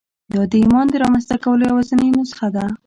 دا د ایمان د رامنځته کولو یوازېنۍ نسخه ده